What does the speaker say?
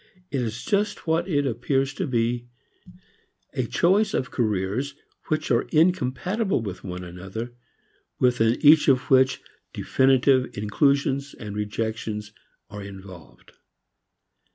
It is just what it appears to be, a choice of careers which are incompatible with one another, within each of which definitive inclusions and rejections are involved.